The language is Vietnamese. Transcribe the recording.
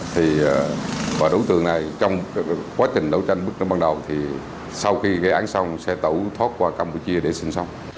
thì đối tượng này trong quá trình đấu tranh bước đến ban đầu thì sau khi cái án xong sẽ tẩu thoát qua campuchia để xin xong